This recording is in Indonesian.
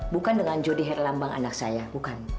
bukan dengan jody herlambang anak saya bukan